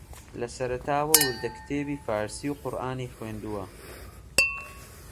لە سەرەتاوە وردەکتێبی فارسی و قورئانی خوێندووە